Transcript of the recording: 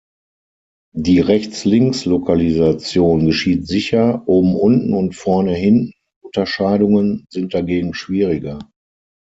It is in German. Die Rechts-links-Lokalisation geschieht sicher, Oben-unten- und Vorne-hinten-Unterscheidungen sind dagegen schwieriger.